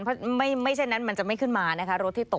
เพราะไม่ใช่นั้นมันจะไม่ขึ้นมานะคะ